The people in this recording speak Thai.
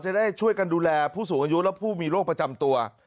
จะได้ช่วยกันดูแลผู้สูงอายุและผู้มีโรคประจำตัว